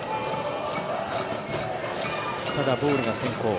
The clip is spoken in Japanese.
ただ、ボールが先行。